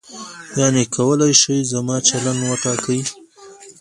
یعنې کولای شي زموږ چلند وټاکي.